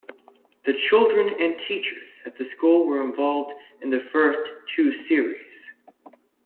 The children and teachers at the school were involved in the first two series.